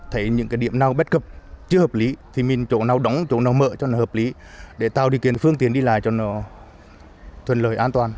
thấy những cái điểm nào bất cập chưa hợp lý thì mình chỗ nào đóng chỗ nào mở cho nó hợp lý để tạo điều kiện phương tiện đi lại cho nó thuận lợi an toàn